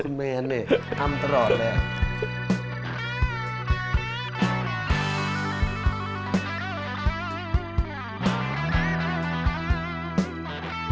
คุณแมนนี่ทำตลอดเลย